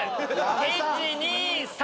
１・２・３！